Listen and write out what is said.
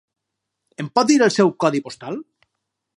Em pot dir el seu codi postal?